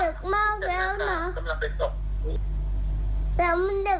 รบหน้าได้ก็เกิดได้แค่เวลาแล้ว